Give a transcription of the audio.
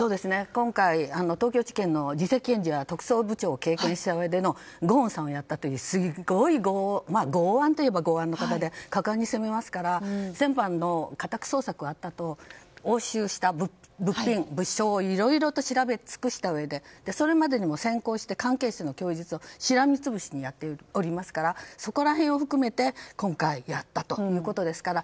今回、東京地検の次席検事が担当したうえでのゴーンさんをやったという剛腕といえば剛腕で果敢に攻めますから先般の家宅捜索のあと押収した物証をいろいろと調べつくしたうえでそれまでにも先行して関係者の供述をしらみつぶしにやっておりますからそこら辺を含めて今回やったといういうことです。